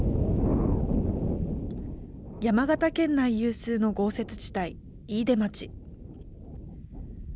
山形県内有数の豪雪地帯、飯豊町。